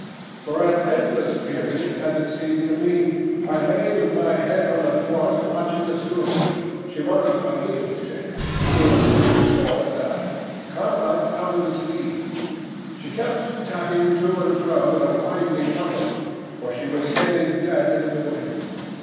For an endless period, as it seemed to me, I lay with my head on the thwart watching the schooner (she was a little ship, schooner rigged fore and aft) come up out of the sea. She kept tacking to and fro in a widening compass, for she was sailing dead into the wind.